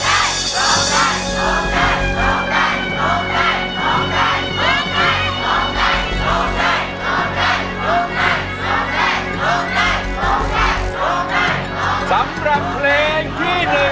โทษให้โทษให้โทษให้โทษให้โทษให้โทษให้